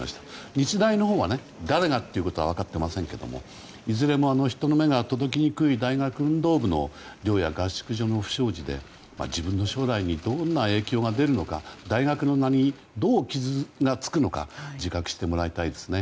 日大のほうは誰がということは分かっていませんけどいずれも人の目が届きにくい大学運動部の寮や合宿所の不祥事で、自分の将来にどんな影響が出るのか大学の名にどう傷がつくのか自覚してもらいたいですね。